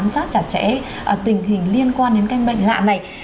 sát trẻ trẻ tình hình liên quan đến cái bệnh lạ này